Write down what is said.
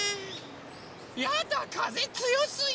やだかぜつよすぎ！